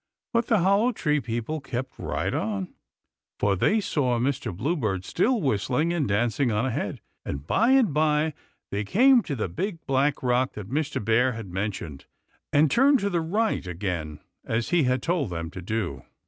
But the Hollow Tree people kept right on, for they saw Mr. Bluebird still whistling and dancing on ahead; and by and by they came to the big black rock that Mr. Bear had mentioned, and turned to the right again as he had told them, to do.